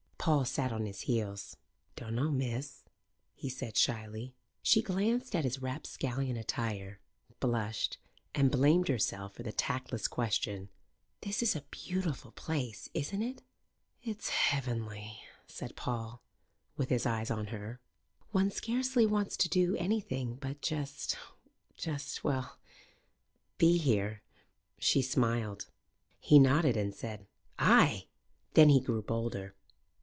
Paul sat on his heels. "Dunno, miss," he said shyly. She glanced at his rapscallion attire, blushed, and blamed herself for the tactless question. "This is a beautiful place, isn't it?" "It's heavenly," said Paul, with his eyes on her. "One scarcely wants to do anything but just just well, be here." She smiled. He nodded and said, "Ay!" Then he grew bolder.